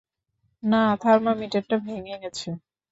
না, থার্মোমিটারটা ভেঙে গেছে!